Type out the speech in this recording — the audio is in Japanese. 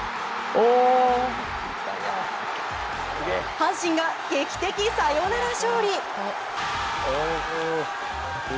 阪神が劇的サヨナラ勝利！